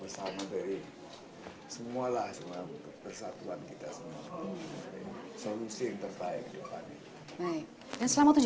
solusi yang terbaik ke depan